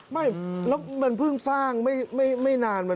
ไม่แล้วมันเพิ่งสร้างไม่นานมา